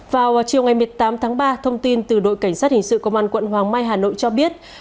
vào chiều ngày một mươi tám tháng ba thông tin từ đội cảnh sát hình sự công an quận hoàng mai hà nội cho biết